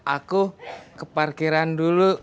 aku ke parkiran dulu